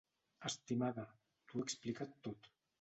Estimada, t'ho he explicat tot.